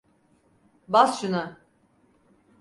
Bas şuna!